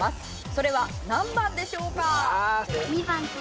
それは何番でしょうか？